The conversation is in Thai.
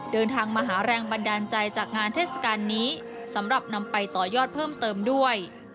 เดินทางมาหาแรงบันดาลใจจากงานเทศกาลนี้สำหรับนำไปต่อยอดเพิ่มเติมด้วย